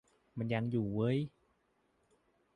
มันยังอยู่เว้ย